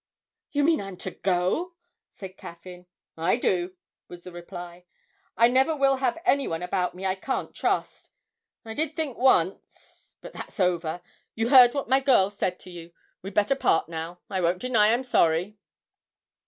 'You mean I'm to go?' said Caffyn. 'I do,' was the reply. 'I never will have any one about me I can't trust. I did think once but that's over you heard what my girl said to you! we'd better part now. I won't deny I'm sorry!'